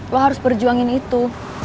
lo harus berjuangin itu